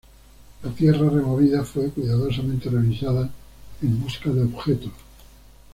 La tierra removida fue cuidadosamente revisada en busca de objetos.